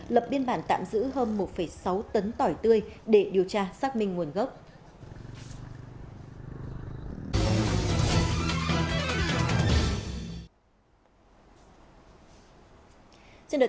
lập biên bản tạm giữ hơn một sáu tấn tỏi tươi để điều tra xác minh nguồn gốc